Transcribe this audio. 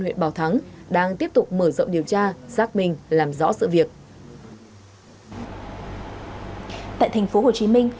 huyện bảo thắng đang tiếp tục mở rộng điều tra xác minh làm rõ sự việc tại thành phố hồ chí minh